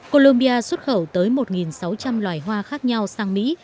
colombia xuất khẩu tới một sáu trăm linh loài hoa khác nhau sang mỹ